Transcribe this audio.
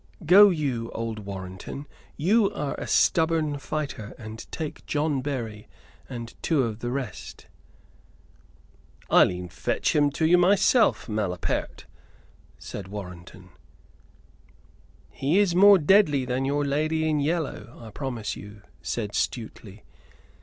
Go you, old Warrenton, you are a stubborn fighter; and take John Berry and two of the rest." "I'll e'en fetch him to you myself, malapert," said Warrenton. "He is more deadly than your Lady in Yellow, I promise you," said Stuteley.